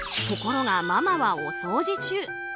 ところが、ママはお掃除中。